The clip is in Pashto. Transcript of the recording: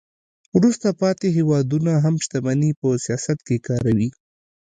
وروسته پاتې هیوادونه هم شتمني په سیاست کې کاروي